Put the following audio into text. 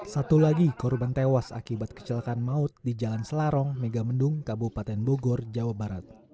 satu lagi korban tewas akibat kecelakaan maut di jalan selarong megamendung kabupaten bogor jawa barat